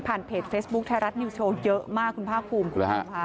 ผ่านเพจเฟสบุ๊คไทยรัฐนิวโชว์เยอะมากคุณภาคภูมิ